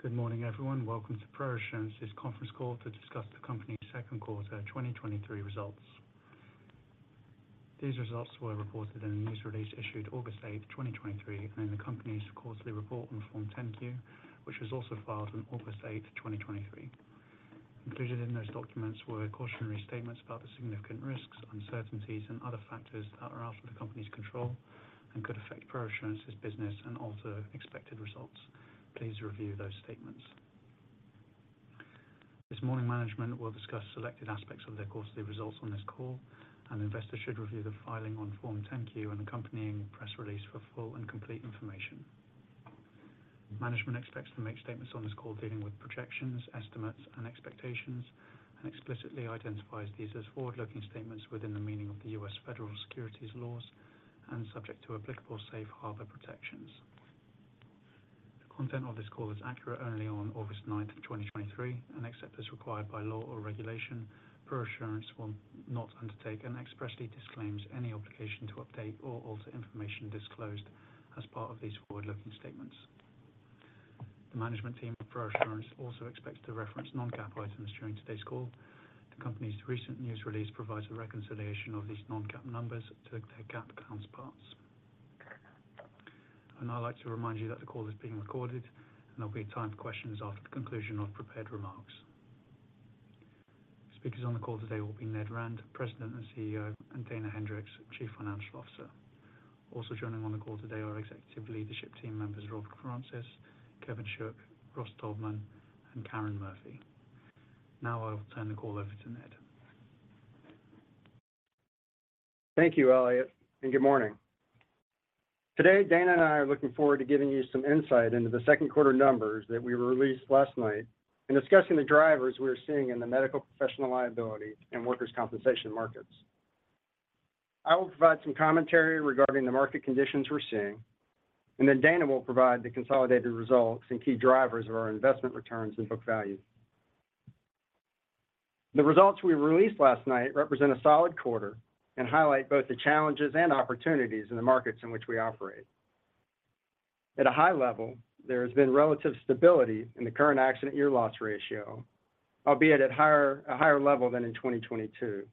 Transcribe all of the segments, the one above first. Good morning, everyone. Welcome to ProAssurance's Conference Call to discuss the company's second quarter 2023 results. These results were reported in a news release issued August 8, 2023, and in the company's quarterly report on Form 10-Q, which was also filed on August 8, 2023. Included in those documents were cautionary statements about the significant risks, uncertainties, and other factors that are out of the company's control and could affect ProAssurance's business and alter expected results. Please review those statements. This morning, management will discuss selected aspects of their quarterly results on this call. Investors should review the filing on Form 10-Q and accompanying press release for full and complete information. Management expects to make statements on this call dealing with projections, estimates, and expectations, explicitly identifies these as forward-looking statements within the meaning of the U.S. Federal Securities Laws and subject to applicable Safe Harbor protections. The content of this call is accurate only on August 9th, 2023, except as required by law or regulation, ProAssurance will not undertake and expressly disclaims any obligation to update or alter information disclosed as part of these forward-looking statements. The management team of ProAssurance also expects to reference non-GAAP items during today's call. The company's recent news release provides a reconciliation of these non-GAAP numbers to their GAAP counterparts. I'd like to remind you that the call is being recorded, and there'll be time for questions after the conclusion of prepared remarks. Speakers on the call today will be Ned Rand, President and CEO, and Dana Hendricks, Chief Financial Officer. Also joining on the call today are executive leadership team members Rob Francis, Kevin Shook, Ross Taubman, and Karen Murphy. Now I will turn the call over to Ned. Thank you, Elliot. Good morning. Today, Dana and I are looking forward to giving you some insight into the second quarter numbers that we released last night and discussing the drivers we're seeing in the medical professional liability and Workers' Compensation markets. I will provide some commentary regarding the market conditions we're seeing, and then Dana will provide the consolidated results and key drivers of our investment returns and book value. The results we released last night represent a solid quarter and highlight both the challenges and opportunities in the markets in which we operate. At a high level, there has been relative stability in the current accident year loss ratio, albeit at higher, a higher level than in 2022,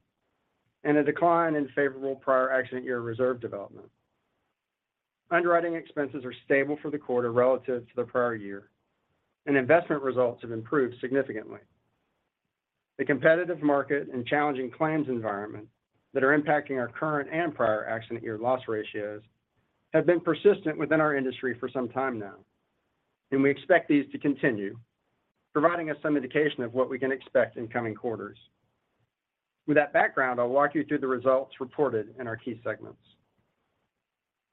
and a decline in favorable prior accident year reserve development. Underwriting expenses are stable for the quarter relative to the prior year, and investment results have improved significantly. The competitive market and challenging claims environment that are impacting our current and prior accident year loss ratios have been persistent within our industry for some time now, and we expect these to continue, providing us some indication of what we can expect in coming quarters. With that background, I'll walk you through the results reported in our key segments.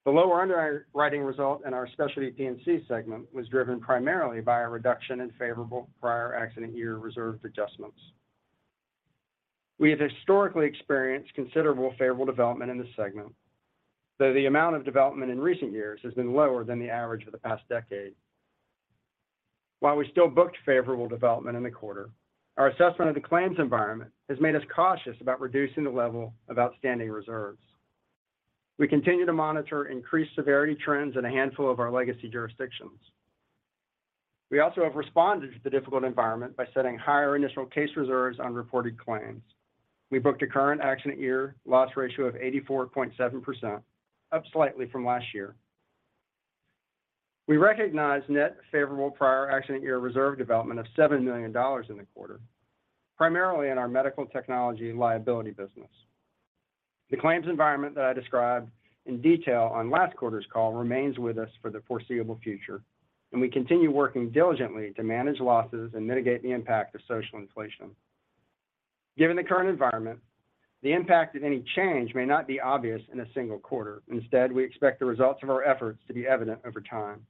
The lower underwriting result in our Specialty P&C segment was driven primarily by a reduction in favorable prior accident year reserve adjustments. We have historically experienced considerable favorable development in this segment, though the amount of development in recent years has been lower than the average for the past decade. While we still booked favorable development in the quarter, our assessment of the claims environment has made us cautious about reducing the level of outstanding reserves. We continue to monitor increased severity trends in a handful of our legacy jurisdictions. We also have responded to the difficult environment by setting higher initial case reserves on reported claims. We booked a current accident year loss ratio of 84.7%, up slightly from last year. We recognized net favorable prior accident year reserve development of $7 million in the quarter, primarily in our medical technology liability business. The claims environment that I described in detail on last quarter's call remains with us for the foreseeable future, and we continue working diligently to manage losses and mitigate the impact of social inflation. Given the current environment, the impact of any change may not be obvious in a single quarter. Instead, we expect the results of our efforts to be evident over time.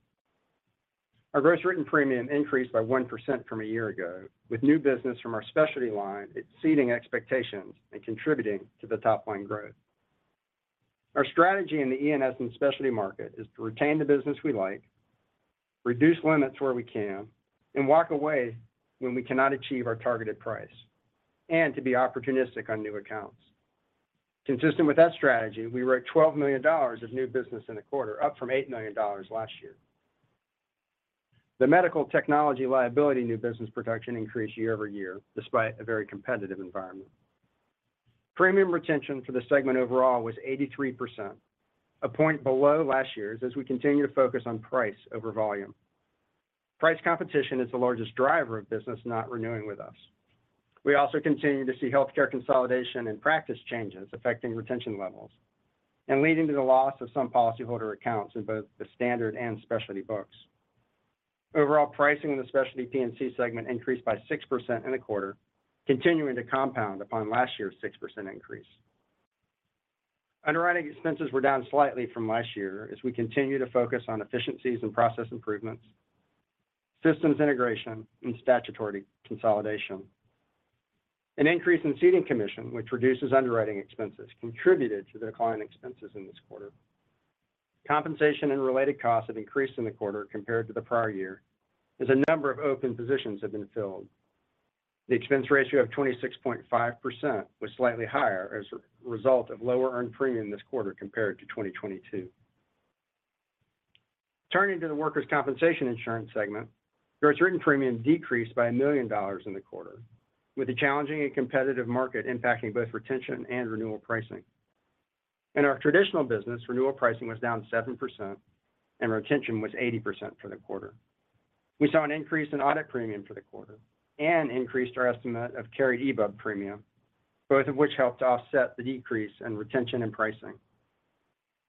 Our gross written premium increased by 1% from a year ago, with new business from our specialty line exceeding expectations and contributing to the top-line growth. Our strategy in the E&S and specialty market is to retain the business we like, reduce limits where we can, and walk away when we cannot achieve our targeted price, and to be opportunistic on new accounts. Consistent with that strategy, we wrote $12 million of new business in the quarter, up from $8 million last year. The medical technology liability new business production increased year-over-year, despite a very competitive environment. Premium retention for the segment overall was 83%, a point below last year's as we continue to focus on price over volume. Price competition is the largest driver of business not renewing with us. We also continue to see healthcare consolidation and practice changes affecting retention levels and leading to the loss of some policyholder accounts in both the standard and specialty books. Overall, pricing in the Specialty P&C segment increased by 6% in the quarter, continuing to compound upon last year's 6% increase. Underwriting expenses were down slightly from last year as we continue to focus on efficiencies and process improvements, systems integration, and statutory consolidation. An increase in ceding commission, which reduces underwriting expenses, contributed to the decline in expenses in this quarter. Compensation and related costs have increased in the quarter compared to the prior year, as a number of open positions have been filled. The expense ratio of 26.5% was slightly higher as a result of lower earned premium this quarter compared to 2022. Turning to the Workers' Compensation Insurance segment, gross written premium decreased by $1 million in the quarter, with a challenging and competitive market impacting both retention and renewal pricing. In our traditional business, renewal pricing was down 7% and retention was 80% for the quarter. We saw an increase in audit premium for the quarter and increased our estimate of carried EBUB premium, both of which helped to offset the decrease in retention and pricing.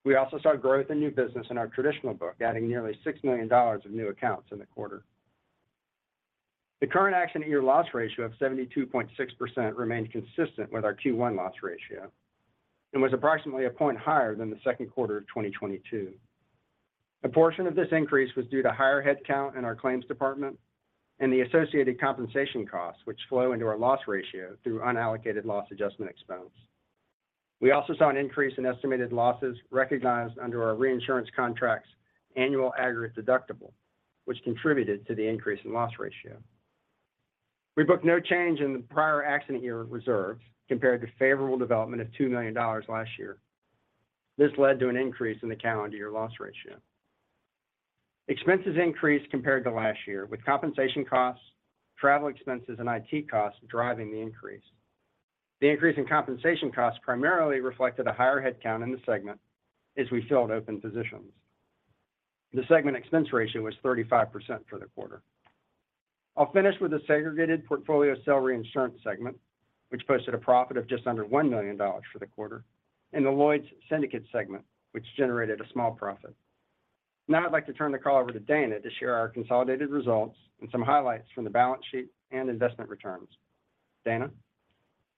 We also saw growth in new business in our traditional book, adding nearly $6 million of new accounts in the quarter. The current accident year loss ratio of 72.6% remained consistent with our Q1 loss ratio and was approximately a point higher than the second quarter of 2022. A portion of this increase was due to higher headcount in our claims department and the associated compensation costs, which flow into our loss ratio through unallocated loss adjustment expense. We also saw an increase in estimated losses recognized under our reinsurance contract's annual aggregate deductible, which contributed to the increase in loss ratio. We booked no change in the prior accident year reserves compared to favorable development of $2 million last year. This led to an increase in the calendar year loss ratio. Expenses increased compared to last year, with compensation costs, travel expenses, and IT costs driving the increase. The increase in compensation costs primarily reflected a higher headcount in the segment as we filled open positions. The segment expense ratio was 35% for the quarter. I'll finish with the Segregated Portfolio Cell Reinsurance segment, which posted a profit of just under $1 million for the quarter, and the Lloyd's Syndicate segment, which generated a small profit. I'd like to turn the call over to Dana to share our consolidated results and some highlights from the balance sheet and investment returns. Dana?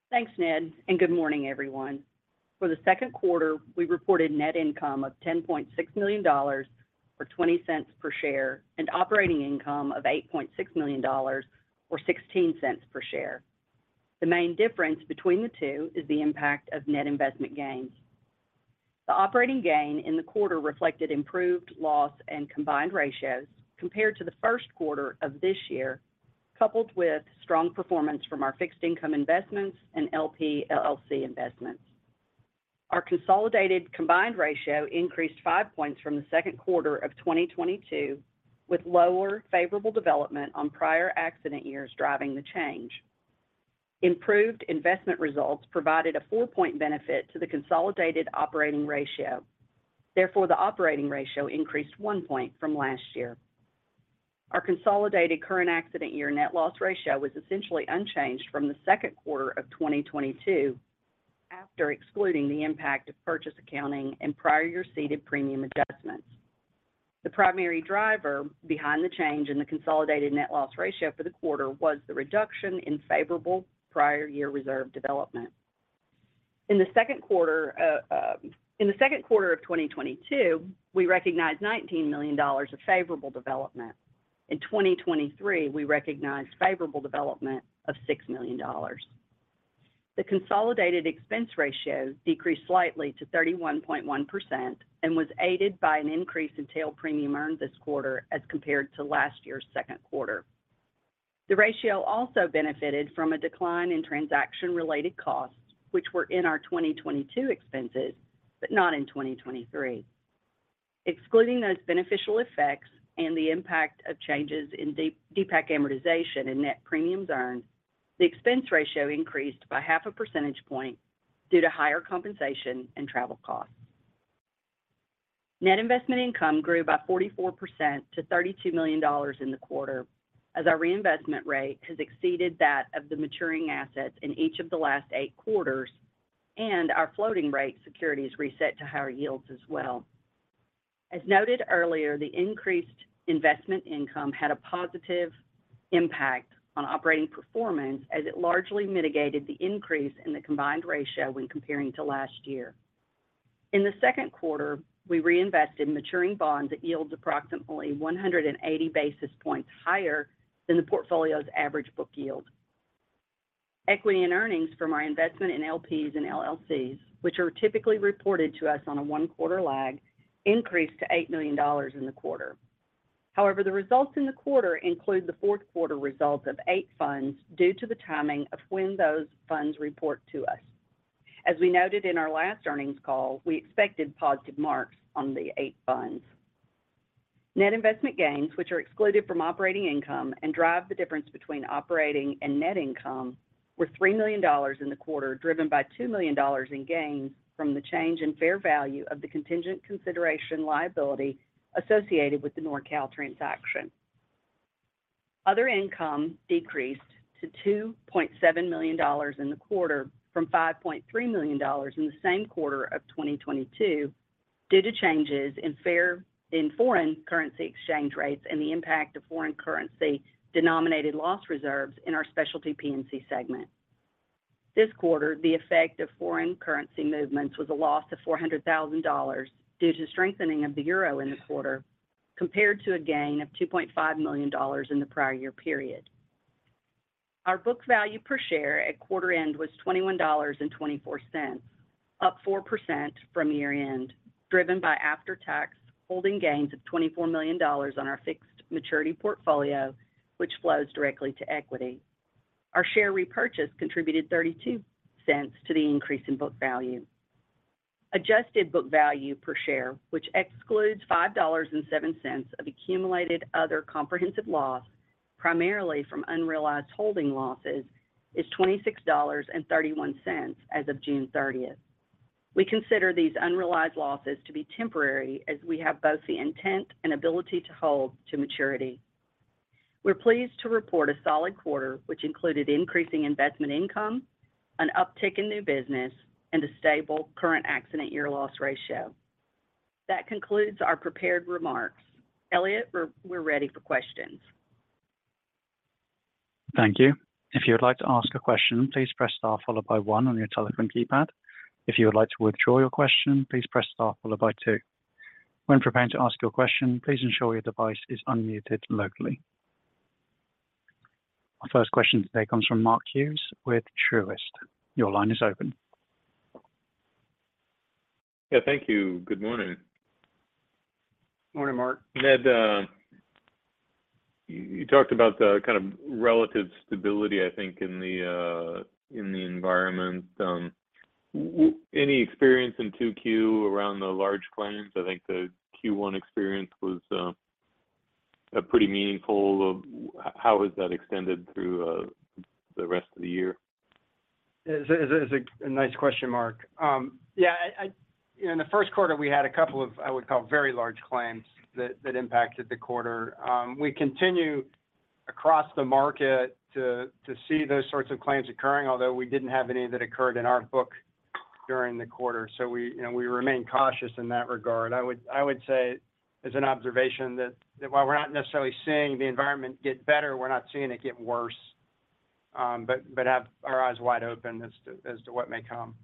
Thanks, Ned. Good morning, everyone. For the second quarter, we reported net income of $10.6 million or $0.20 per share, and operating income of $8.6 million or $0.16 per share. The main difference between the two is the impact of net investment gains. The operating gain in the quarter reflected improved loss and combined ratios compared to the first quarter of this year, coupled with strong performance from our fixed income investments and LPs and LLCs investments. Our consolidated combined ratio increased 5 points from the second quarter of 2022, with lower favorable development on prior accident years driving the change. Improved investment results provided a 4-point benefit to the consolidated operating ratio. Therefore, the operating ratio increased 1 point from last year. Our consolidated current accident year net loss ratio was essentially unchanged from the second quarter of 2022 after excluding the impact of purchase accounting and prior year ceded premium adjustments. The primary driver behind the change in the consolidated net loss ratio for the quarter was the reduction in favorable prior year reserve development. In the second quarter, in the second quarter of 2022, we recognized $19 million of favorable development. In 2023, we recognized favorable development of $6 million. The consolidated expense ratio decreased slightly to 31.1% and was aided by an increase in tail premium earned this quarter as compared to last year's second quarter. The ratio also benefited from a decline in transaction-related costs, which were in our 2022 expenses, but not in 2023. Excluding those beneficial effects and the impact of changes in DPAC amortization and net premiums earned, the expense ratio increased by half a percentage point due to higher compensation and travel costs. Net investment income grew by 44% to $32 million in the quarter, as our reinvestment rate has exceeded that of the maturing assets in each of the last eight quarters, and our floating rate securities reset to higher yields as well. As noted earlier, the increased investment income had a positive impact on operating performance, as it largely mitigated the increase in the combined ratio when comparing to last year. In the second quarter, we reinvested maturing bonds at yields approximately 180 basis points higher than the portfolio's average book yield. Equity and earnings from our investment in LPs and LLCs, which are typically reported to us on a one-quarter lag, increased to $8 million in the quarter. The results in the quarter include the fourth quarter results of eight funds due to the timing of when those funds report to us. As we noted in our last earnings call, we expected positive marks on the eight funds. Net investment gains, which are excluded from operating income and drive the difference between operating and net income, were $3 million in the quarter, driven by $2 million in gains from the change in fair value of the contingent consideration liability associated with the NORCAL transaction. Other income decreased to $2.7 million in the quarter from $5.3 million in the same quarter of 2022, due to changes in foreign currency exchange rates and the impact of foreign currency-denominated loss reserves in our Specialty P&C segment. This quarter, the effect of foreign currency movements was a loss of $400,000 due to strengthening of the euro in the quarter, compared to a gain of $2.5 million in the prior year period. Our book value per share at quarter end was $21.24, up 4% from year-end, driven by after-tax holding gains of $24 million on our fixed maturity portfolio, which flows directly to equity. Our share repurchase contributed $0.32 to the increase in book value. Adjusted book value per share, which excludes $5.07 of accumulated other comprehensive loss, primarily from unrealized holding losses, is $26.31 as of June 30th. We consider these unrealized losses to be temporary, as we have both the intent and ability to hold to maturity. We're pleased to report a solid quarter, which included increasing investment income, an uptick in new business, and a stable current accident year loss ratio. That concludes our prepared remarks. Elliot, we're ready for questions. Thank you. If you would like to ask a question, please press star followed by one on your telephone keypad. If you would like to withdraw your question, please press star followed by two. When preparing to ask your question, please ensure your device is unmuted locally. Our first question today comes from Mark Hughes with Truist. Your line is open. Yeah, thank you. Good morning. Morning, Mark. Ned, you talked about the kind of relative stability, I think, in the environment. Any experience in 2Q around the large claims? I think the Q1 experience was a pretty meaningful. Of how has that extended through the rest of the year? It's a nice question, Mark. Yeah, I in the first quarter, we had a couple of, I would call, very large claims that impacted the quarter. We continue across the market to see those sorts of claims occurring, although we didn't have any that occurred in our book during the quarter. We remain cautious in that regard. I would say, as an observation, that while we're not necessarily seeing the environment get better, we're not seeing it get worse, but have our eyes wide open as to what may come.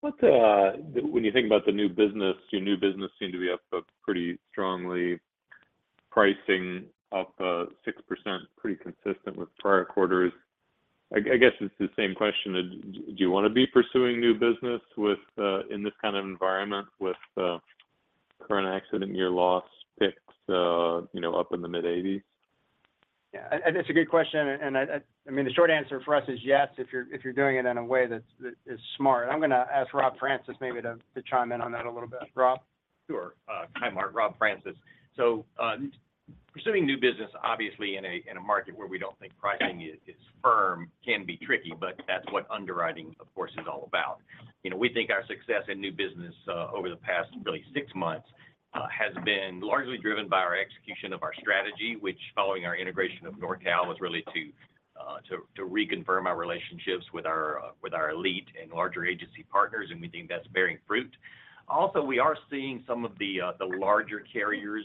What, when you think about the new business, your new business seem to be up, up pretty strongly, pricing up, 6%, pretty consistent with prior quarters. I, I guess it's the same question: Do you want to be pursuing new business with, in this kind of environment with, current accident year loss picks, you know, up in the mid-80s? Yeah, it's a good question, I mean, the short answer for us is yes, if you're, if you're doing it in a way that's, that is smart. I'm going to ask Rob Francis maybe to, to chime in on that a little bit. Rob? Sure. Hi, Mark. Rob Francis. Pursuing new business, obviously in a market where we don't think pricing is firm can be tricky, but that's what underwriting, of course, is all about. You know, we think our success in new business over the past really six months has been largely driven by our execution of our strategy, which, following our integration of NORCAL, was really to reconfirm our relationships with our elite and larger agency partners, and we think that's bearing fruit. We are seeing some of the larger carriers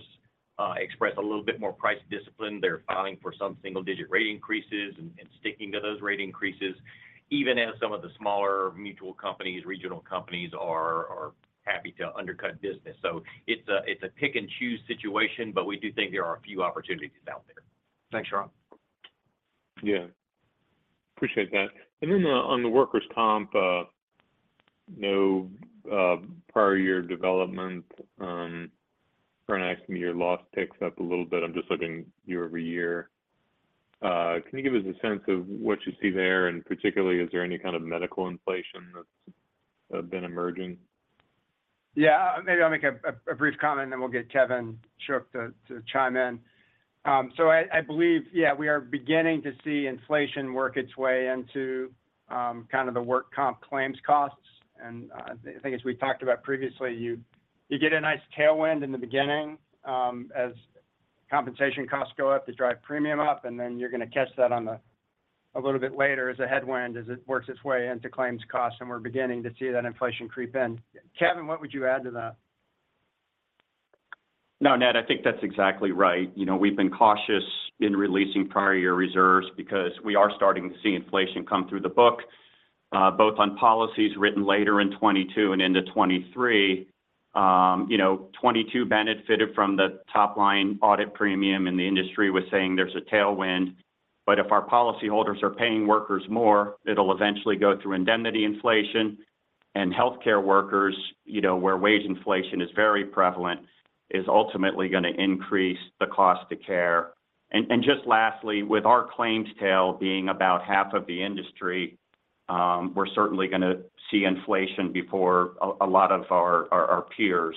express a little bit more price discipline. They're filing for some single-digit rate increases and sticking to those rate increases, even as some of the smaller mutual companies, regional companies are happy to undercut business. It's a, it's a pick-and-choose situation, but we do think there are a few opportunities out there. Thanks, Rob. Yeah. Appreciate that. Then, on the workers' comp, no, prior year development, current accident year loss picks up a little bit. I'm just looking year-over-year. Can you give us a sense of what you see there? Particularly, is there any kind of medical inflation that's been emerging? Yeah, maybe I'll make a, a, a brief comment, and then we'll get Kevin Shook to, to chime in. I, I believe, yeah, we are beginning to see inflation work its way into kind of the work comp claims costs. I think as we talked about previously, you, you get a nice tailwind in the beginning, as compensation costs go up, they drive premium up, and then you're going to catch that a little bit later as a headwind, as it works its way into claims costs, and we're beginning to see that inflation creep in. Kevin, what would you add to that? No, Ned, I think that's exactly right. You know, we've been cautious in releasing prior year reserves because we are starting to see inflation come through the book, both on policies written later in 2022 and into 2023. You know, 2022 benefited from the top-line audit premium, the industry was saying there's a tailwind. If our policyholders are paying workers more, it'll eventually go through indemnity inflation and healthcare workers, you know, where wage inflation is very prevalent, is ultimately going to increase the cost to care. Just lastly, with our claims tail being about half of the industry, we're certainly going to see inflation before a lot of our peers.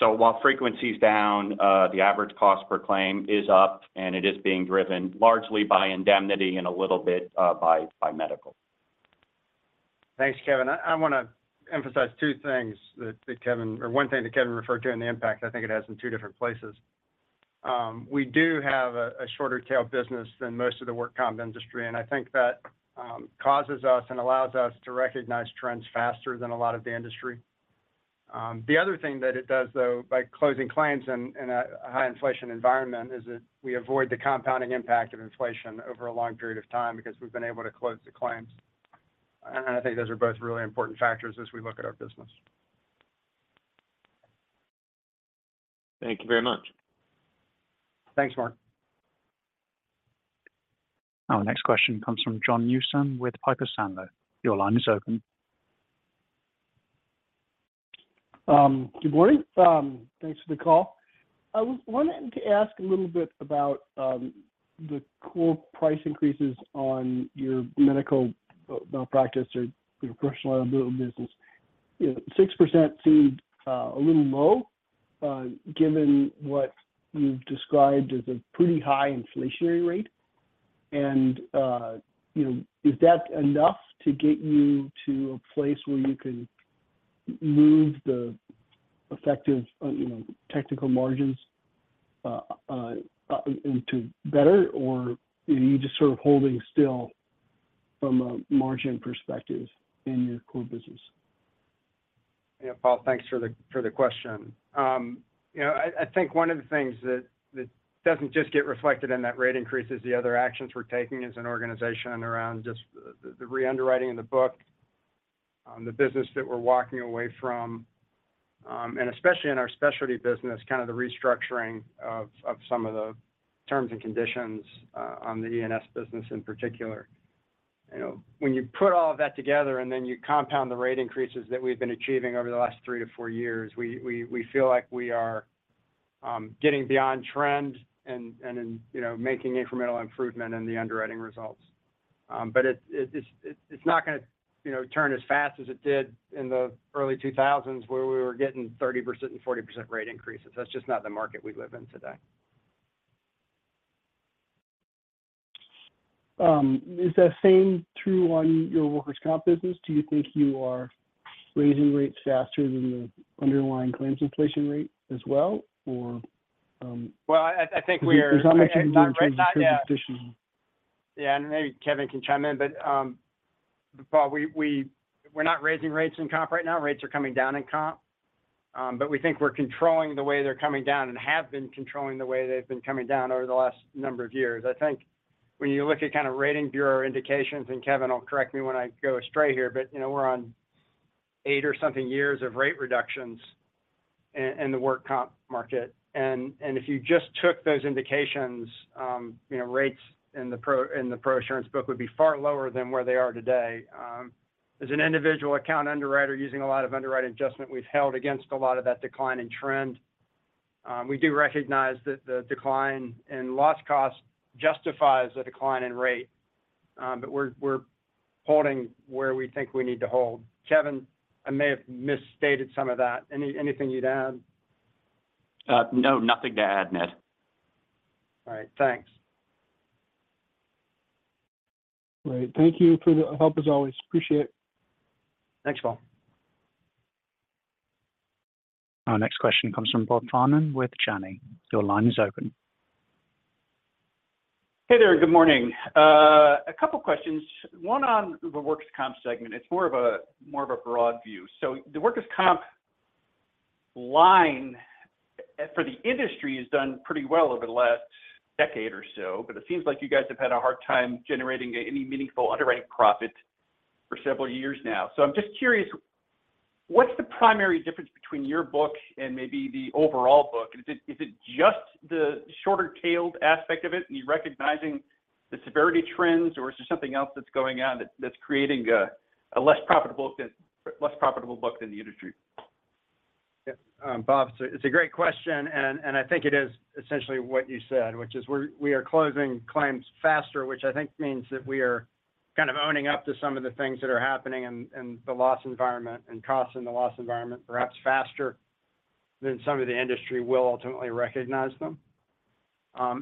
While frequency is down, the average cost per claim is up, and it is being driven largely by indemnity and a little bit by medical. Thanks, Kevin. I, I want to emphasize two things that, that Kevin or one thing that Kevin referred to, and the impact I think it has in two different places. We do have a, a shorter tail business than most of the work comp industry, and I think that causes us and allows us to recognize trends faster than a lot of the industry. The other thing that it does, though, by closing claims in, in a, a high inflation environment, is that we avoid the compounding impact of inflation over a long period of time because we've been able to close the claims. I think those are both really important factors as we look at our business. Thank you very much. Thanks, Mark. Our next question comes from Paul Newsome with Piper Sandler. Your line is open. Good morning. Thanks for the call. I was wanting to ask a little bit about the core price increases on your medical malpractice or your workers' compensation business. You know, 6% seemed a little low given what you've described as a pretty high inflationary rate. You know, is that enough to get you to a place where you can move the effective, you know, technical margins into better, or are you just sort of holding still from a margin perspective in your core business? Yeah, Paul, thanks for the question. You know, I, I think one of the things that, that doesn't just get reflected in that rate increase is the other actions we're taking as an organization around just the re-underwriting in the book, the business that we're walking away from. And especially in our Specialty P&C business, kind of the restructuring of some of the terms and conditions on the E&S business in particular. You know, when you put all of that together, and then you compound the rate increases that we've been achieving over the last three-four years, we, we, we feel like we are getting beyond trend and, and, you know, making incremental improvement in the underwriting results. It's not gonna, you know, turn as fast as it did in the early 2000s, where we were getting 30% and 40% rate increases. That's just not the market we live in today. Is that same true on your Workers' Comp business? Do you think you are raising rates faster than the underlying claims inflation rate as well, or? Well, I think we are- There's not much in terms of tradition. Yeah, maybe Kevin can chime in, but Paul, we're not raising rates in comp right now. Rates are coming down in comp, but we think we're controlling the way they're coming down and have been controlling the way they've been coming down over the last number of years. I think when you look at kind of rating bureau indications, Kevin will correct me when I go astray here, but, you know, we're on eight or something years of rate reductions in, in the work comp market. If you just took those indications, you know, rates in the ProAssurance book would be far lower than where they are today. As an individual account underwriter using a lot of underwrite adjustment, we've held against a lot of that decline in trend. We do recognize that the decline in loss cost justifies the decline in rate, but we're holding where we think we need to hold. Kevin, I may have misstated some of that. Anything you'd add? No, nothing to add, Ned. All right, thanks. Great. Thank you for the help, as always. Appreciate it. Thanks, Paul. Our next question comes from Robert Farnam with Janney. Your line is open. Hey there, good morning. A couple questions, one on the Workers' Comp segment. It's more of a, more of a broad view. The Workers' Comp line, for the industry has done pretty well over the last decade or so, but it seems like you guys have had a hard time generating any meaningful underwriting profit for several years now. I'm just curious, what's the primary difference between your book and maybe the overall book? Is it, is it just the shorter-tailed aspect of it, and you're recognizing the severity trends, or is there something else that's going on that's, that's creating a, a less profitable, less profitable book than the industry? Yeah, Bob, it's a, it's a great question, and I think it is essentially what you said, which is we are closing claims faster, which I think means that we are kind of owning up to some of the things that are happening in, in the loss environment and costs in the loss environment, perhaps faster than some of the industry will ultimately recognize them.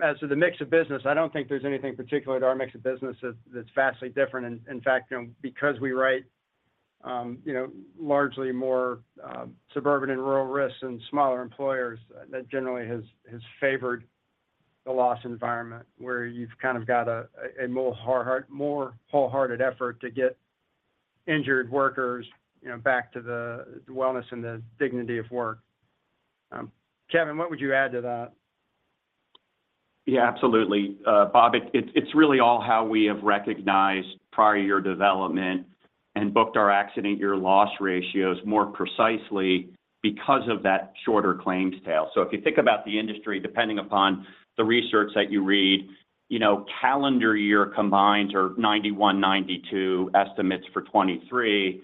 As to the mix of business, I don't think there's anything particular to our mix of business that's, that's vastly different. In, in fact, you know, because we write, you know, largely more suburban and rural risks and smaller employers, that generally has, has favored the loss environment, where you've kind of got a, a more wholehearted effort to get injured workers, you know, back to the wellness and the dignity of work. Kevin, what would you add to that? Yeah, absolutely. Bob, it's really all how we have recognized prior year development and booked our accident year loss ratios more precisely because of that shorter claims tail. If you think about the industry, depending upon the research that you read, you know, calendar year combined or 91, 92 estimates for 2023,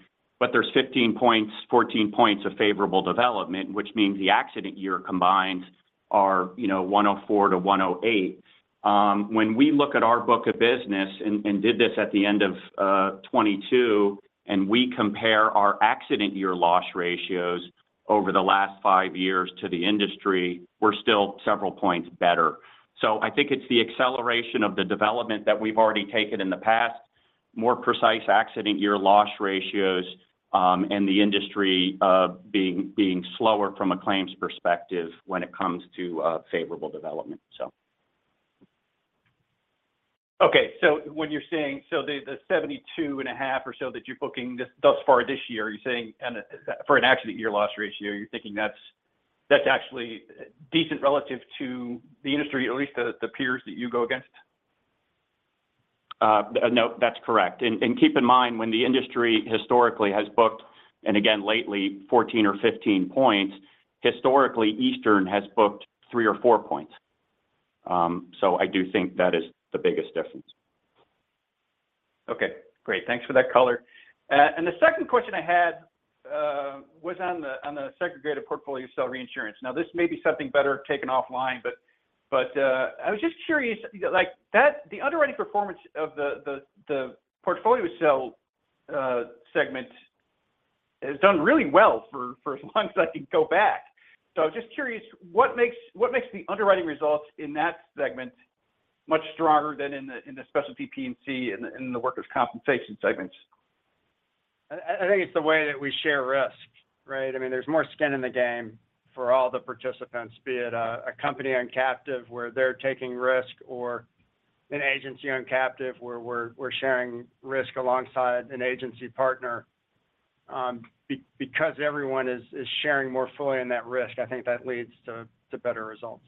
there's 15 points, 14 points of favorable development, which means the accident year combined are, you know, 104 to 108. When we look at our book of business and did this at the end of 2022, we compare our accident year loss ratios over the last five years to the industry, we're still several points better. I think it's the acceleration of the development that we've already taken in the past, more precise accident year loss ratios, and the industry being slower from a claims perspective when it comes to favorable development. Okay, when you're saying... So the, the 72.5 or so that you're booking thus far this year, you're saying, and, for an accident year loss ratio, you're thinking that's, that's actually decent relative to the industry, or at least the, the peers that you go against?... No, that's correct. Keep in mind, when the industry historically has booked, and again, lately, 14 or 15 points, historically, Eastern has booked 3 or 4 points. I do think that is the biggest difference. Okay, great. Thanks for that color. The second question I had was on the Segregated Portfolio Cell Reinsurance. This may be something better taken offline, but I was just curious, you know, like that the underwriting performance of the Portfolio Cell segment has done really well for as long as I can go back. Just curious, what makes, what makes the underwriting results in that segment much stronger than in the Specialty P&C, in the Workers' Compensation segments? I, I think it's the way that we share risk, right? I mean, there's more skin in the game for all the participants, be it a, a company on captive where they're taking risk, or an agency on captive where we're, we're sharing risk alongside an agency partner. Because everyone is, is sharing more fully in that risk, I think that leads to, to better results.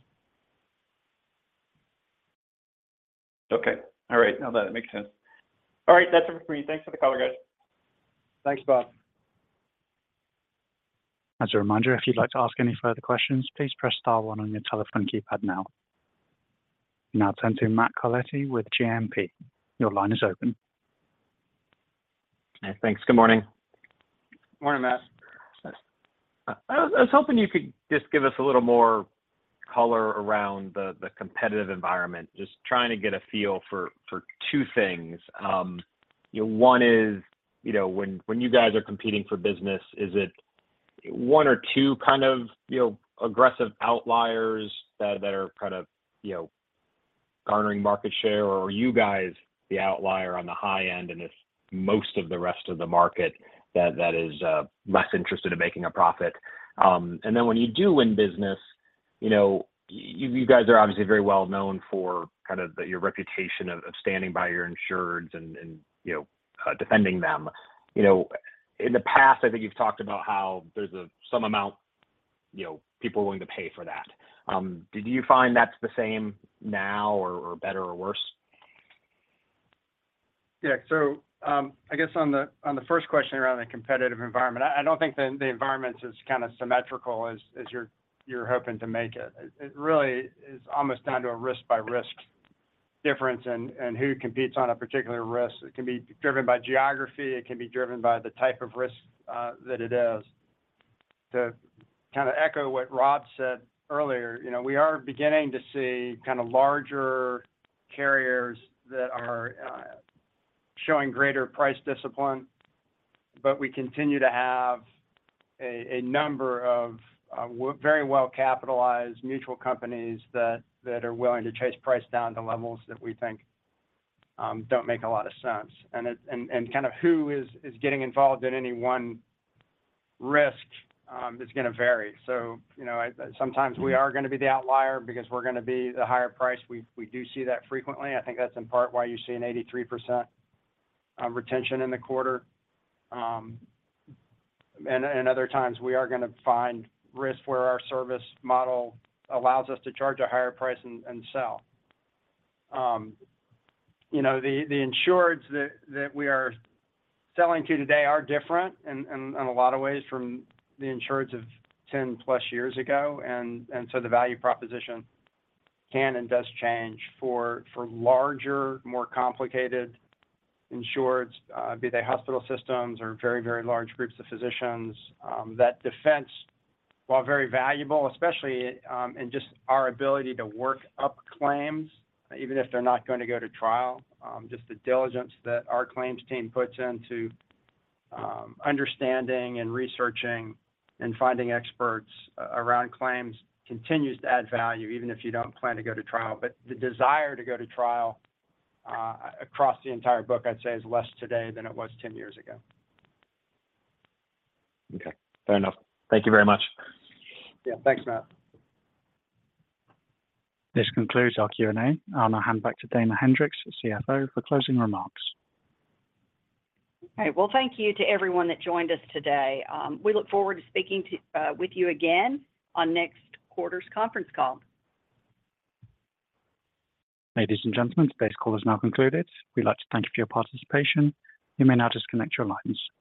Okay. All right. Now, that makes sense. All right. That's it for me. Thanks for the color, guys. Thanks, Bob. As a reminder, if you'd like to ask any further questions, please press star one on your telephone keypad now. I'll turn to Matt Carletti with JMP. Your line is open. Hi, thanks. Good morning. Morning, Matt. I was, I was hoping you could just give us a little more color around the, the competitive environment. Just trying to get a feel for, for two things. You know, one is, you know, when, when you guys are competing for business, is it one or two kind of, you know, aggressive outliers that, that are kind of, you know, garnering market share? Or are you guys the outlier on the high end, and it's most of the rest of the market that, that is less interested in making a profit? And then when you do win business, you know, you, you guys are obviously very well known for kind of your reputation of, of standing by your insureds and, and, you know, defending them. You know, in the past, I think you've talked about how there's a some amount, you know, people are willing to pay for that. Did you find that's the same now or, or better or worse? Yeah. I guess on the, on the first question around the competitive environment, I, I don't think the, the environment is kind of symmetrical as, as you're, you're hoping to make it. It, it really is almost down to a risk-by-risk difference and, and who competes on a particular risk. It can be driven by geography, it can be driven by the type of risk that it is. To kind of echo what Rob Francis said earlier, you know, we are beginning to see kind of larger carriers that are showing greater price discipline, but we continue to have a, a number of very well-capitalized mutual companies that, that are willing to chase price down to levels that we think don't make a lot of sense. It... kind of who is, is getting involved in any one risk, is going to vary. You know, I- sometimes we are going to be the outlier because we're going to be the higher price. We, we do see that frequently. I think that's in part why you see an 83% retention in the quarter. And other times, we are going to find risk where our service model allows us to charge a higher price and sell. You know, the, the insureds that, that we are selling to today are different in, in, in a lot of ways from the insureds of 10+ years ago, and so the value proposition can and does change for, for larger, more complicated insureds, be they hospital systems or very, very large groups of physicians. That defense, while very valuable, especially, in just our ability to work up claims, even if they're not going to go to trial, just the diligence that our claims team puts into, understanding and researching and finding experts around claims continues to add value, even if you don't plan to go to trial. But the desire to go to trial, across the entire book, I'd say, is less today than it was 10 years ago. Okay, fair enough. Thank you very much. Yeah, thanks, Matt. This concludes our Q&A. I'm going to hand back to Dana Hendricks, CFO, for closing remarks. All right. Well, thank you to everyone that joined us today. We look forward to speaking to with you again on next quarter's conference call. Ladies and gentlemen, today's call is now concluded. We'd like to thank you for your participation. You may now disconnect your lines.